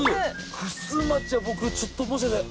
玖珠町は僕ちょっと申し訳ない。